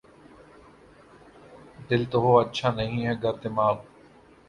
دل تو ہو‘ اچھا‘ نہیں ہے گر دماغ